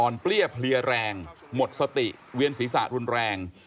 อ่อนเพลียเปลี่ยแรงหมดสติเวียนศีรษะรุนแรง